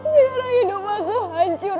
sekarang hidup aku hancur